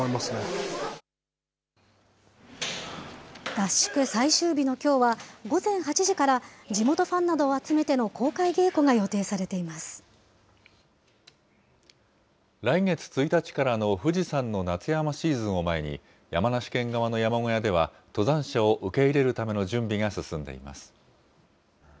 合宿最終日のきょうは、午前８時から地元ファンなどを集めての公開稽古が予定されていま来月１日からの富士山の夏山シーズンを前に、山梨県側の山小屋では、登山者を受け入れるための準備が進んでいます。